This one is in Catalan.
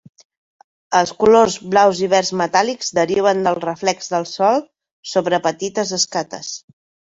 Els colors blaus i verds metàl·lics deriven del reflex del sol sobre petites escates.